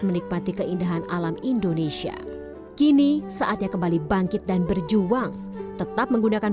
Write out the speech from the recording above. menikmati keindahan alam indonesia kini saatnya kembali bangkit dan berjuang tetap menggunakan